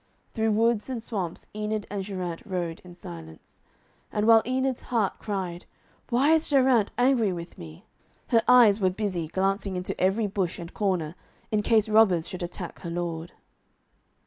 Through woods and swamps Enid and Geraint rode in silence. And while Enid's heart cried, 'Why is Geraint angry with me?' her eyes were busy glancing into every bush and corner, in case robbers should attack her lord.